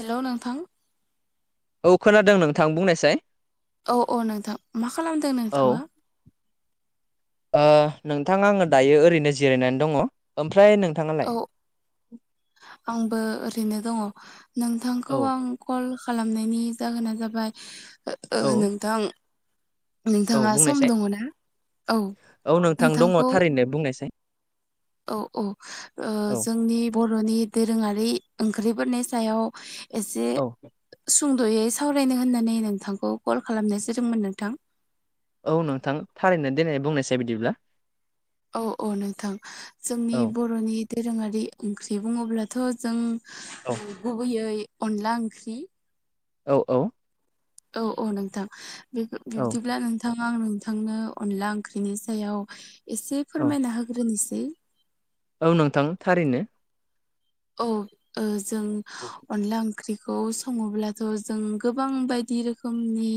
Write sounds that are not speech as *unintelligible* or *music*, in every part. Hello नोंथां औ खोनादों नोंथां बुंनायसाय औ औ नोंथां मा खालामदों औ नोंथाङा? ओ नोंथाङा आङो दायो ओरैनो जिरायनानै दङ। ओमफ्राय नोंथाङालाय? औ आंबो ओरैनो दङ। औ नोंथांखौ आं कल खालामनायनि जाहोना जाबाय ओ औ नोंथां औ नोंथाङा सम बुंनायसाय दङ ना? औ औ नोंथां दङ नोंथांखौ थारैनो बुंनायसाय औ औ ओ औ जोंनि बर' बर'नि दोरोङारि ओंख्रिफोरनि सायाव एसे औ सुंद'यै सावरायनो होननानै नोंथांखौ कल खालामनाय जादोंमोन नोंथां। औ नोंथां थारैनो दोननाय बुंनायसाय बिदिब्ला औ औ नोंथां जोंनि औ बर'नि दोरोङारि ओं ओंख्रि बुङोब्लाथ' जों औ गुबैयै अनला ओंख्रि औ औ औ औ नोंथां औ बिदिब्ला नोंथाङा आं थांनो अनला ओंख्रिनि सायाव इसे औ फोरमायना होग्रोनोसै। औ नोंथां थारैनो। औ ओ जों औ अनला ओं ओंख्रिखौ सङोब्लाथ' जों गोबां बायदि रोखोमनि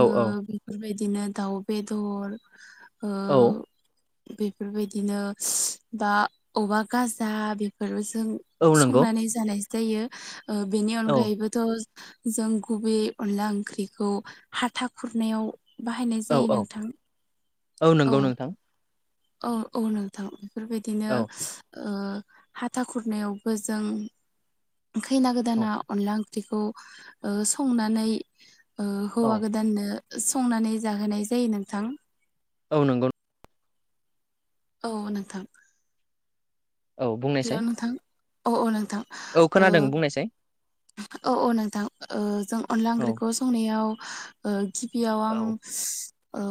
ओ बेफोरबायदिनो दाउ बेदर। औ बेफोर बायदिनो बा औवा गाजा बेफोर जों औ नंगौ संनानै जानाय जायो ओ बेनि औ अनगायैबोथ' जों गुबै अनला ओंख्रिखौ हाथा खुरनायाव बाहायनाय औ जायो औ नों औ नंगौ नोंथां। औ औ नोंथां बेफोर बायदिनो औ ओ हाथा खुरनायावबो जों खैना औ गोदाना अनला ओं ख्रिखौ ओ संनानै औ हौवा गोदाननो संनानै जाहोनाय जायो नोंथां। औ नंगौ। औ नोंथां। औ बुंनायसै। अ औ नों औ खोनादों बुंनायसाय। औ औ नोंथां ओ जों अनला औ ओंख्रिखौ संनायाव ओ। टिभियाव आं औ ओ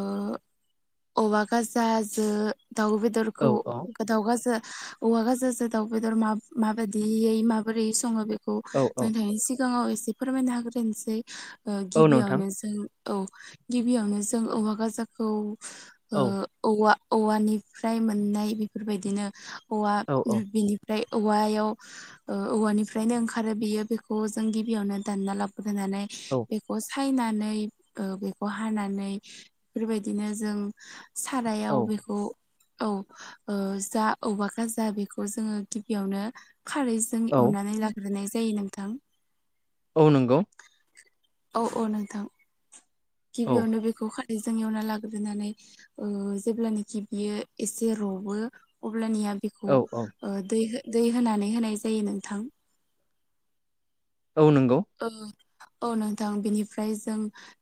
औवा गाजाजो। दाउ औ बेदरखौ औ दाउ गाजा औवा गाजाज दाउ बेदर माब-माबायदियै माबोरै सङो बेखौ औ जों औ नोंथांनि सिगाङाव एसे एसे फोरमायनो होग्रोनोसै औ नोंथां गिबियावनो जों। औ गिबियावनो जों औवा गाजाखौ ओ औ औवा। औवानिफ्राय मोननाय बेफोरबायदिनो औ। बेनि। ओमफ्राय औवायाव औवानिफ्रायनो ओंखारो बियो बेखौ जों गिबियावनो दानना लाब होनानै औ बेखौ सा फायनानै बेखौ ओ हानानै बेफोरबायदिनो जों। सारायाव औ बेखौ औ ओ जा औवा गाजा बेखौ। जोङो गिबियावनो खारै जों औ एवनानै लाग्रोनाय जायो नोंथां। औ नंगौ। औ औ नोंथां। औ गिबियावनो बेखौ खा जोंनियावना लाग्रोनानै ओ जेब्लानखि बियो एसे रबो। अब्लानिया औ बेखौ औ दै ओ दै। दै होनानै होनाय जायो नोंथां। औ नंगौ। ओ औ नोंथां बेनिफ्राय जों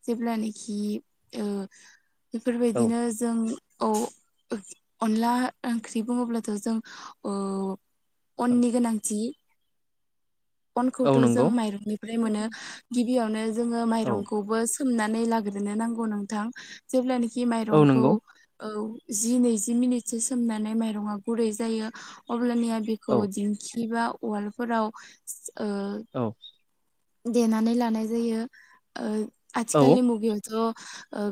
जेब्लानाखि औ बेफोरबायदिनो जों औ अनला ओंख्रि बुङोब्लाथ' जों अननि गोनांथि औ अनखौथ' जों नंगौ माइरंनिफ्राय मोनो गिबियावनो जोङो औ माइरंखौबो सोमनानै लाग्रोनो नांगौ नोंथां जेब्लानाखि औ माइरंखौ नंगौ औ जि नैजि मिनिटसो सोमनानै माइरङा गुरै जायो। अब्लानिया औ बेखौ दिंखिबा उवालफोराव ओ औ देनानै लानाय जायो औ आथिखालनि मुगायावथ'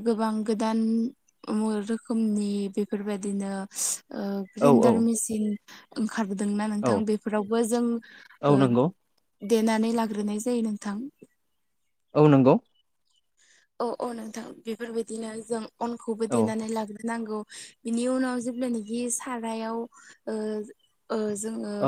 गोबां गोदान रोखोमनि बेफोरबायदिनो ग्रेन्डार मेसिन बोदोंना औ नोंथां बेफोरावबो जों औ नंगौ देनानै लाग्रोनाय जायो। जायो नोंथां। औ नंगौ। औ औ नोंथां बेफोरबायदिनो जों अनखौबो औ देनानै लाग्रो नांगौ इनि उनाव जेब्लानाखि सारायाव औ जोङो औ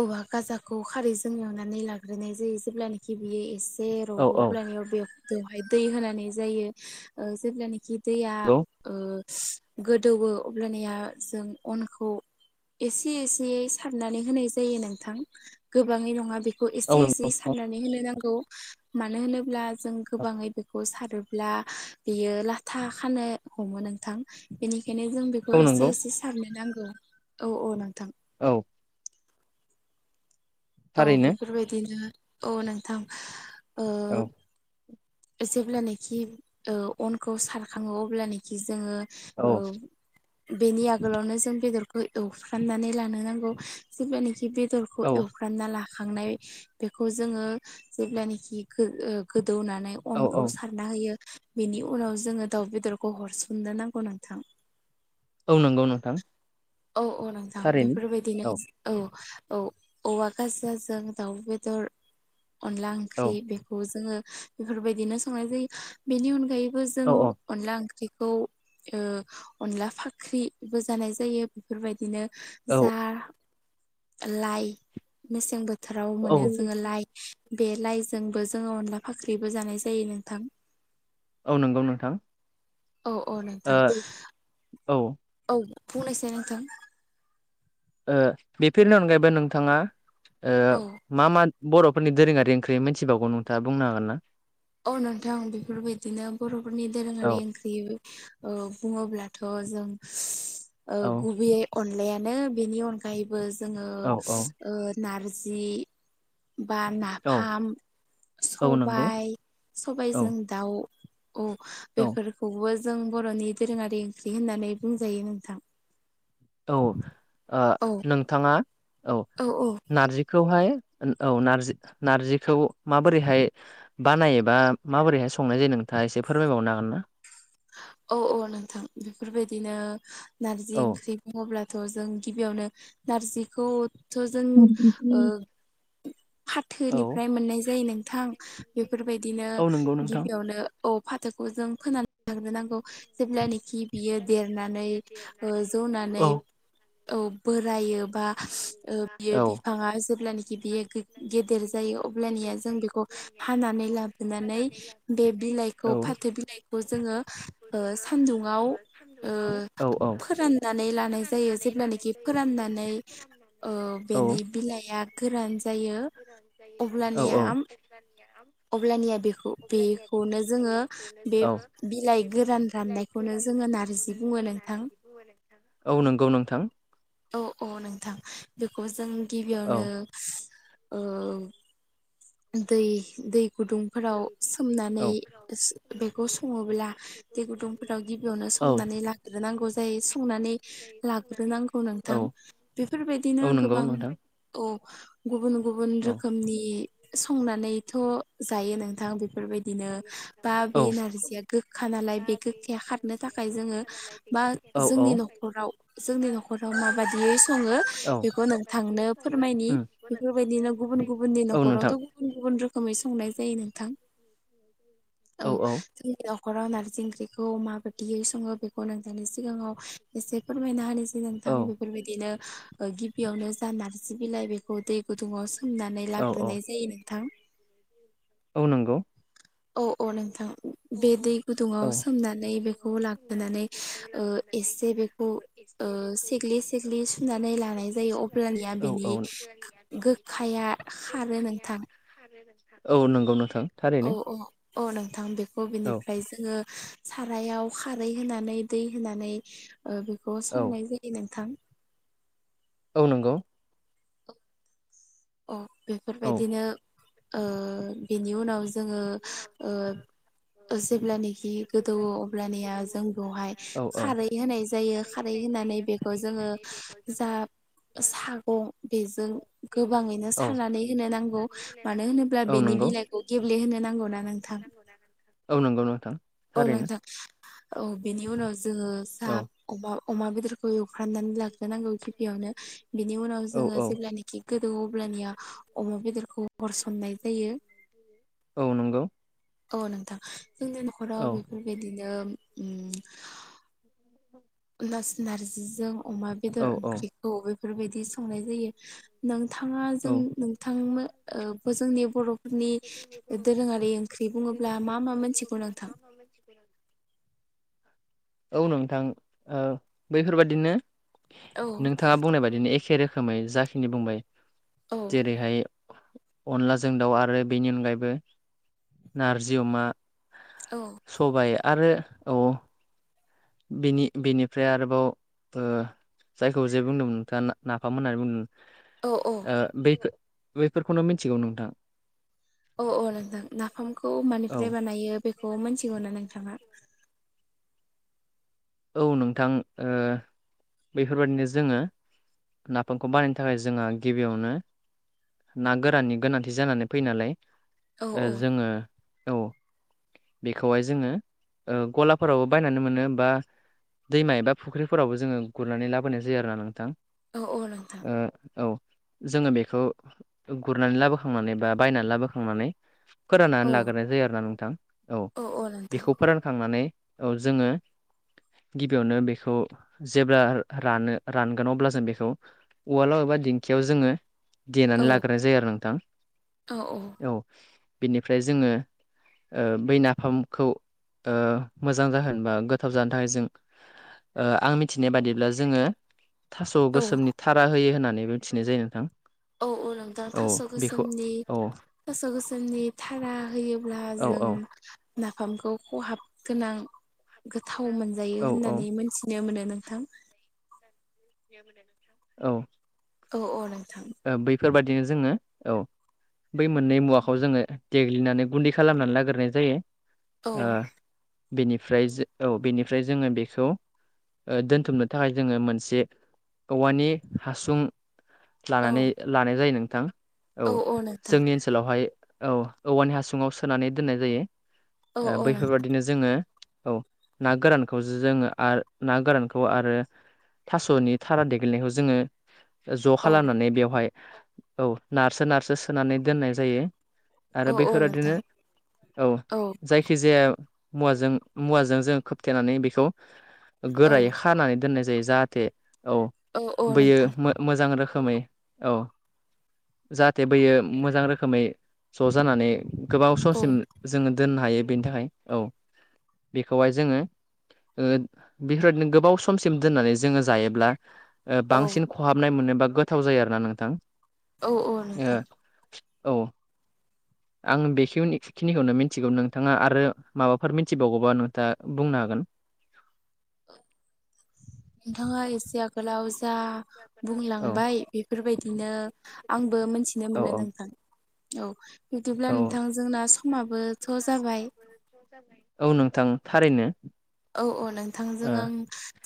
औवा गाजाखौ खारैजों एवनानै लाग्रोनाय जायो जेब्लानाखि बियो एसे औ *unintelligible* बेवहाय दै होनानै जायो जेब्लानाखि दैया गोदौवो अब्लानिया जों अनखौ एसे एसेयै सारनानै होनायसै जायो नोंथां गोबाङै नङा बेखौ एसे औ एसे नंगौ सारनानै होनो नांगौ। मानो होनोब्ला जों गोबाङै बेखौ सार रोब्ला बियो लाथा खानो हमो नोंथां। बेंनिखायनो जों बेखौ औ नंगौ औ एसे नंगौ एसे सारनो नांगौ औ औ नोंथां। औ। औ थारैनो बेफोरबायदिनो औ नोंथां। औ जेब्लानाखि अनखौ सारखाङो अब्लानाखि जोङो औ बेनि आगोलावनो जों बेदरखौ एवफ्रामनानै लानो नांगौ जेब्लानिखि बेदरखौ औ एवफ्रामना लाखांनाय बिखौ जोंङो जेब्लानाखि गो दौनानै औ अनखौ औ सारना होयो। बेनि उनाव जोङो दाउ बेदरखौ हरसननो नांगौ नोंथां। औ नंगौ नोंथां। औ औ नोंथां थारैनो बेफोर बायदिनो औ। औ औवा गाजलाजों जों दाउ बेदर अनला औ ओंख्रि बेखौ जोङो। बेफोरबायदिनो संनाय जायो बेनि अनगायैबो जों औ अनला ओंख्रि। ओंख्रिखौ अनला फाख्रिबो जानाय जायो बेफोर बायदिनो औ जा लाइ मेसें बोथोर बोथोराव औ मोनो जोङो लाइ। बे लाइजोंबो जोङो अनला फाख्रिबो जानाय जायो नोंथां। औ नंगौ नोंथां। औ औ नोंथां। ओ औ औ बुंनायसाय नोंथां। बेफोरनि अनगायैबो नोंथाङा औ मा मा? बर'फोरनि दोरोङारि ओंख्रि मिथिबावगौ नोंथाङा बुंनो हागोन ना। औ नोंथां बेफोरबायदिनो बर'फोरनि औ दोरोङारि ओंख्रि। बुङोब्लाथ' जों औ गुबैयै अनलायानो बेनि अनगायैबो। जोङो औ औ ओ नारजि बा औ नाफाम औ नंगौ सबाइ औ सबाइजों दाउ। औ औ बेफोरखौबो जों बर'नि दोरोङारि ओंख्रि होननानै बुंजायो नोंथां। औ ओ औ नोंथाङा औ नारजिखौहाय। औ नारजि नारजिखौ माबोरैहाय बानायबा माबोरैहाय संनाय जायो नों नोंथाङा एसे फोरमायबावनो हागोन ना? औ औ नोंथां बेफोरबायदिनो नारजि औ ओंख्रि बुङोब्ला। थ' जों गिबियावनो नारजिखौथ' जों औ फाथोनिफ्राय मोननाय जायो नोंथां बेफोरबायदिनो औ नंगौ नोंथां गिबियावनो। औ फाथोखौ जों फोनानै लाग्रोनांगौ। जेब्लानाखि बियो देरनानै ओ औ जौनानै औ। बोरायो बा ओ बियो औ बिफाङा जेब्लानाखि बियो गेदेर जायो अब्लानि। जों बेखौ हानानै लाबोनानै बे औ बिलाइखौ फाथो बिलाइ। खौ जोङो ओ सान्दुंङाव। ओ औ फोराननानै लानाय जायो जेब्लानोखि फोरान औ बेनि बिलाइआ गोरान जायो। औ अब्लानिया। औ अब्लानिया बेखौ बेखौनो जोङो बे। गोरान बिलाइ राननायखौनो गोरान जोङो नारजि राननायखौनो बुङो जों नोंथां। नारजै बुङो नोंथां, औ नंगौ नोंथां। हो औ औ नोंथां बेखौ जों औ गिबियावनो। ओ दै दै। गुदुंफोराव औ सोमनानै बे सङोब्ला दै गुदुंफोराव गिबियावनो संनानै लाग्रोनांगौ जायो संनानै। ग्रोनांगौ नोंथां बेफोर बायदिनो औ नंगौ गोबां। गुबुन गुबुन औ औ रोखोमनि संनानैथ' जायो नोंथां बे। बेफोरबायदिनो बा बे एनारजिया गोखा नालाय बे गोखाया खारनो थाखाय जोङो मा जोंनि न'खराव जोंनि न'खराव माबादियै सङो बेखौ नोंथांनो फोरमायनि बेफोरबायदिनो गुबुन गुबुननि न'खरावथ' गुबुन गुबुन रोखोमै संनाय जायो नोंथां। औ जों अ न'खराव नारजि ओंख्रिखौ माबायदियै सङो बेखौ नों थांनि सिगाङाव एसे फोरमायना हानिसै औ नोंथां बेफोरबायदिनो गिबियावनो जा नारजि बिलाइ बेखौ दै गुदुङाव सोमनानै लाग्रोनाय जायो नोंथां। औ नंगौ। औ औ नोंथां। बे दै औ गुदुङाव सोमनानै बेखौ लाग्रोनानै एसे बेखौ ओ सेग्लि सेग्लि सुनानै सेग्लि लानाय जायो अब्लानिया बेनि सेग्लि गोखाया खारो नोंथां। औ नंगौ नोंथां‌। औ औ औ नोंथां बेखौ औ बिनिफ्राय जोङो सारायाव खारै होनानै दै होनानै ओ बेखौ औ संनाय जायो नोंथां। औ नंगौ। अ औौ बेफोरबायदिनो ओ बेनि उनाव जोङो ओ जेब्लानाखि गोदौवो अब्लानिया जों बेवहाय खारै होनाय जायो खारै होनानै बेखौ जोङो जा सागं बेजों गोबां ङैनो सनानै होनो नांगौ मानो होनोब्ला होनानै होनो बेनि बिलाइखौ गेब्ले नांगौना नोंथां। औ नंगौ नोंथां। औ थारैनो नोंथां औ बेनि उनाव जोङो जा औ अमा अमा बेदरखौ एवफ्रामनानै लाग्रोनांगौ गिबियावनो बिनि उनाव औ जोङो औ जेब्लानोखि गोदौवो अब्लानिया अमा बेदरखौ हरसननाय जायो। औ नंगौ। औ नोंथां जोंनि न'खराव औ बेफोरबायदिनो *unintelligible* नारजिजों अमा बेदर औ औ ओंख्रिखौे बेफोरबायदि संनाय जायो नोंथाङा जों औ नोंथांनो जोंनि बर' बर'फोरनि बेफोर ओंख्रि बुङोब्ला दोरोङारि मा मा ओंख्रि‌ मोनथिगौ बुङोब्ला नोंथां मा मा मिथिगौ नोंथां? *inaudible* औ नोंथां औ बैफोरबादिनो औ नोंथाङा बुंनाय बायदिनो एखे रोखोमै जाखिनि बुंबाय औ जेरैहाय अनलाजों दाउ आरो बेनि अनगायैबो नारजि अमा औ सबाय आरो औ बिनि बिनिफ्राय आरोबाव जायखौ जे बुंदोंमोन नोंथाङा नाफाम होननानै औ औ बुंदों। बे बेफोरखौनो मिथिगौ नोंथां। औ औ नोंथां नाफामखौ औ मानिफ्राय बानायो बेखौ मोनथिगौ ना नोंथाङा? औ नोंथां बेफोरबादिनो जोङो नाफामखौ बानायनो थाखाय जोंहा गिबियावनो ना गोराननि गोनांथि जानानै फैयो नालाय औ औ जोङो औ बेखौहाय जोङो गलाफोरावबो बायनानै मोनो बा दैमा एबा फुख्रिफोरावबो जोङो गुरनानै लाबोनाय जायो आरो ना नोंथां। औ औ नोंथां ओ औ। जोङो बेखौ गुरनानै लाबोखांनानै बा बायनानै लाबोखांनानै औ फोराननानै लाग्रोनाय जायो आरोना नोंथां औ बेखौ फोरानखांनानै औ जोङो गिबियावनो बेखौ जेब्ला रानो रानगोन अब्ला जों बेखौ उवालाव बा दिंखियाव जोङो औ देनानै लाग्राय जायो आरो नोंथां औ। बिनिफ्राय जोङो बै नाफामखौ मोजां जाहोनो बा गोथाव जानो थाखाय जों ओ आं मिथिनाय बादिब्ला जोङो थास' औ गोसोमनि थारा होयो होननानै मिथिनाय जायो नोंथां। औ औ नोंथां औ थास' बेखौ गोसोमनि औ थास' गोसोमनि थारा होयोब्ला औ जों औ नाफामखौ खहाब गोनां गोथाव मोनजायो औ औ होननानै मोनथिनो मोनो। नोंथां औ औ औ नोंथां बेफोर बायदिनो जोङो औ बै मोननै मुवाखौ जोङो देग्लिनानै गुन्दै खालामनानै लागोरनाय जायो। औ ओ बेनिफ्राय औ बेनिफ्राय जोङो बेखौ दोनथुमनो थाखाय जोङो मोनसे औवानि हासुं औ लानानै लानाय जायो नोंथां। औ जोंनि ओनसोलावहाय औ औवानि हासुङाव सोनानै दोननाय जायो। औ औ नोंथां बैफोरबादिनो जोङो औ ना गोरानखौ जोङो आरो ना गोरानखौ आरो थास'नि थारा देग्लिनायखौ जोङो ज' औ खालामनानै बेवहाय औ नारसो नारसो सोनानै दोननाय जायो। आरो औ औ बैफोर नोंथां बादिनो औ जायखिजाया मुवाजों मुवाजों जोङो खोबथेनानै बेखौ औ गोरायै खानानै दोननाय जायो। जाहा थे औ औ बैयो नोंथां मो मोजां रो खोमै औ जाहाथे बैयो मोजां रोखोमै ज' जानानै गोबाव औ समसिम जोङो दोननो हायो बेनि थाखाय औ बेखौहाय जोङो बेफोरबायदिनो गोबाव समसिम दोननानै जोङो जायोब्ला बांसिन खहाबनाय मोनोबा गोथाव जायो आरोना नोंथां। औ औ नोंथां ओ औ *inaudible* आं बेखिनिखिनिखौनो मिथिगौ नोंथाङा आरो माबाफोर मिथिबावगौबा नोंथाङा बुंनो हागोन। *inaudible* नोंथाङा एसे आगोलाव जा औ बुंलांबाय बेफोरबायदिनो आंबो मोनथिनो औ मोनो नोंथां औ बिदिब्ला औ नोंथां जोंना समाबोथ' जाबाय। औ नोंथां थारैनो औ औ नोंथांजों ओ आं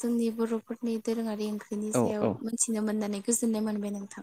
जोंनि बर'फोरनि दोरोङारि ओंख्रिनि औ सायाव औ मोनथिनो मोननानै गोजोननाय मोनबाय नोंथां।